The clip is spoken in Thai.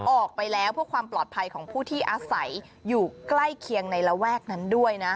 ออกไปแล้วเพื่อความปลอดภัยของผู้ที่อาศัยอยู่ใกล้เคียงในระแวกนั้นด้วยนะ